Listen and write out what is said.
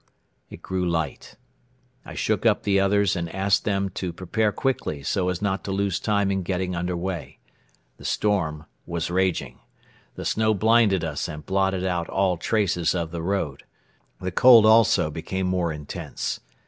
It grew light. I shook up the others and asked them to prepare quickly so as not to lose time in getting under way. The storm was raging. The snow blinded us and blotted out all traces of the road. The cold also became more intense.